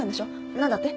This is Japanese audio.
何だって？